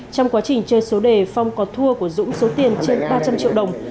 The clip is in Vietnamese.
trong quá trình chơi số đề phong có thua của dũng số tiền trên ba trăm linh triệu đồng